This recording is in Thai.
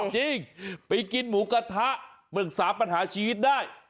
จริงไปกินหมูกระทะเบิกษาปัญหาชีวิตได้